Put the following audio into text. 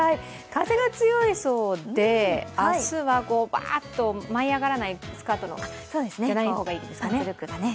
風が強いそうで、明日はバーッと舞い上がらないスカートの方がいいですね。